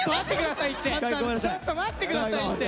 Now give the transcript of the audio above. ちょっと待って下さいって！